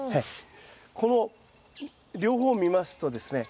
この両方を見ますとですね